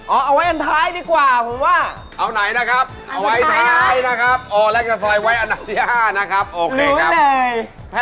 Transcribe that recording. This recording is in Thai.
เอาไว้อันท้ายดีกว่าผมว่า